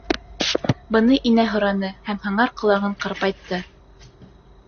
— Быны Инә һораны һәм һыңар ҡолағын ҡарпайтты.